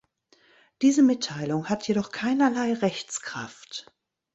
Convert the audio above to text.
Diese Mitteilung hat jedoch keinerlei Rechtskraft.